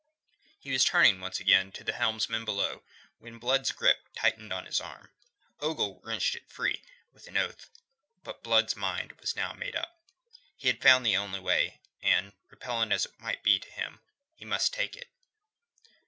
He was turning again to the helmsman below, when Blood's grip tightened on his arm. Ogle wrenched it free, with an oath. But Blood's mind was now made up. He had found the only way, and repellent though it might be to him, he must take it.